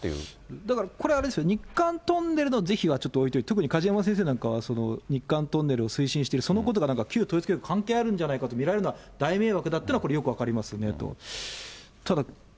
だからこれあれですよ、日韓トンネルの是非はちょっと置いておいて、特に梶山先生なんかは日韓トンネルを推進している、そのことが旧統一教会と関係があるのではないかと見られるのは大迷惑だっていうのは、これ、よく分かりますよね。